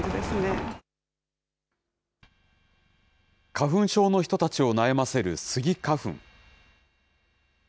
花粉症の人たちを悩ませるスギ花粉。